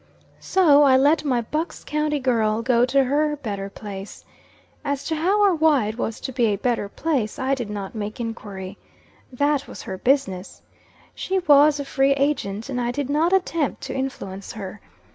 So, I let my Bucks county girl go to her "better place." As to how or why it was to be a better place, I did not make enquiry. That was her business. She was a free agent, and I did not attempt to influence her.